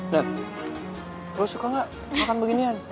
nah lo suka gak makan beginian